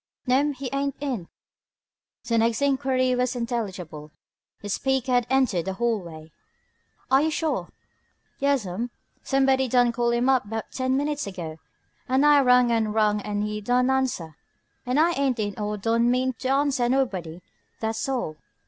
"No'm, he ain't in." The next enquiry was intelligible: the speaker had entered the hallway. "Are you sure?" "Yas'm. Sumbody done call him up 'bout ten min'tes ago, an' I rung an' rung an' he don' answer. He ain't in or he don' mean to answer nobody, tha's all."